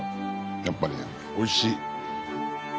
やっぱりおいしい。